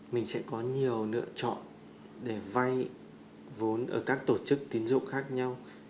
mình sẽ có nhiều lựa chọn để vay vốn ở các tổ chức tín dụng khác nhau